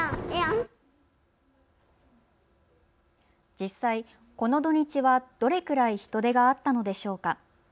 実際、この土日はどれくらい人出があったのでしょうか。